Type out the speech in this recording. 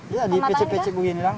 ya di pecek pecek begini bang